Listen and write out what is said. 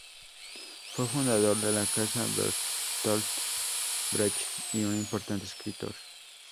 Fue fundador de la Casa Bertolt Brecht y un importante escritor.